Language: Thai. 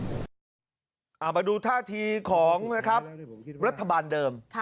มาดูท่าทีของรัฐบาลเดิม